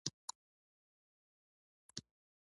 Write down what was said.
په پراشوټ کې تړلې وه، ښایي دغه وسلې.